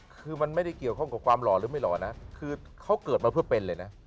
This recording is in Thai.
คือมันไม่ได้เกี่ยวข้องกับความหล่อหรือไม่หล่อนะคือเขาเกิดมาเพื่อเป็นเลยนะ